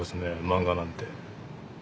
漫画なんて。